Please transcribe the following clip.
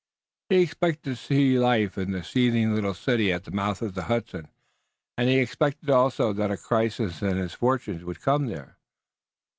He expected to see life in the seething little city at the mouth of the Hudson and he expected also that a crisis in his fortunes would come there.